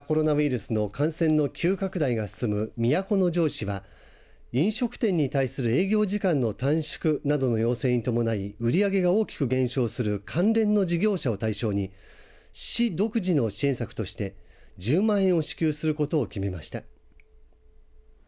新型コロナウイルスの感染の急拡大が進む都城市は飲食店に対する営業時間の短縮などの要請に伴い売り上げが大きく減少する関連の事業者を対象に市独自の支援策として１０万円を支給することを決めました。